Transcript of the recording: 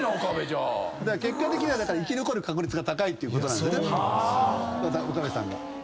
結果的に生き残る確率が高いっていうことなんですね岡部さんが。